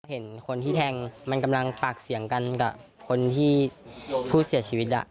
เห็นคนที่แทงมันกำลังปากเสียงกันกับคนที่ผู้เสียชีวิต